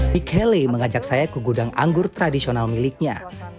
michele mengajak saya ke gudang anggur tradisional miliknya